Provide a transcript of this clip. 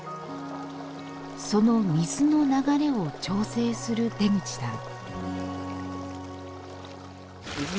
その水の流れを調整する出口さん。